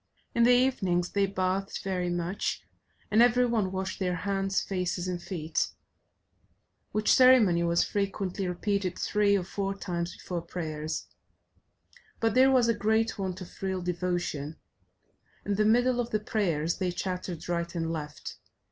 In the evenings they bathed very much, and every one washed their hands, faces, and feet, which ceremony was frequently repeated three or four times before prayers; but there was a great want of real devotion: in the middle of the prayers they chattered right and left.